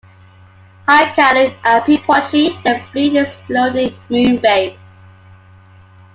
Hikaru and Pipotchi then flee the exploding moonbase.